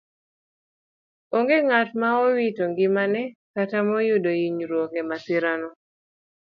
Onge ng'at ma owito ngimane kata ma oyudo inyruok e masirano.